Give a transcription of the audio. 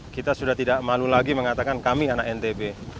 kita sudah tidak malu lagi mengatakan kami anak ntb